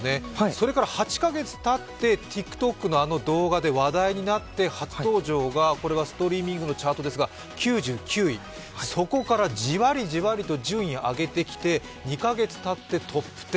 それから８カ月たってＴｉｋＴｏｋの動画で話題になって初登場がストリーミングのチャートで９９位、そこからじわりじわりと順位を上げてきて２カ月たってトップ１０。